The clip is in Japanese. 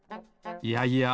いやいや。